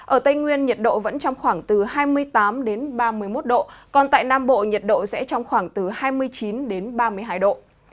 ở tây nguyên nhiệt độ vẫn trong khoảng từ hai mươi tám đến ba mươi một độ còn tại nam bộ nhiệt độ sẽ trong khoảng từ hai mươi chín đến ba mươi hai độ